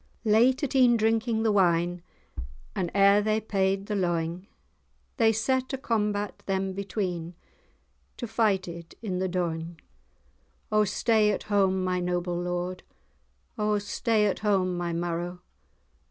Late at e'en drinking the wine, And e'er they paid the lawing, They set a combat them between, To fight it in the dawing.[#] [#] Dawn. "O stay at home my noble lord, O stay at home my marrow.